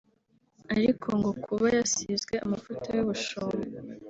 ariko ngo kuba yasizwe amavuta y’ubushumba